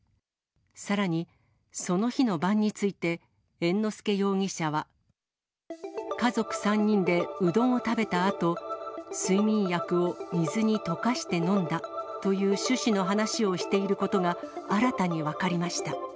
さらに、その日の晩について、猿之助容疑者は、家族３人でうどんを食べたあと、睡眠薬を水に溶かして飲んだという趣旨の話をしていることが、新たに分かりました。